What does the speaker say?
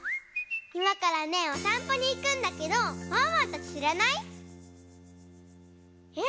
いまからねおさんぽにいくんだけどワンワンたちしらない？